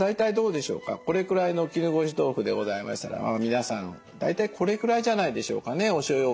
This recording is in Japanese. これくらいの絹ごし豆腐でございましたら皆さん大体これくらいじゃないでしょうかねおしょうゆ